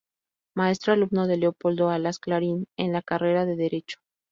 Maestro, alumno de Leopoldo Alas "Clarín" en la carrera de Derecho.